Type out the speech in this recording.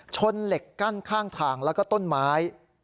ชนเหล็กกั้นข้างทางแล้วก็ต้นไม้